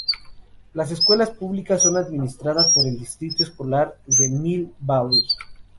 Las escuelas públicas son administradas por el Distrito Escolar de Mill Valley.